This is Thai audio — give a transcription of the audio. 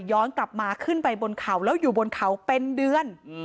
ย้อนกลับมาขึ้นไปบนเขาแล้วอยู่บนเขาเป็นเดือน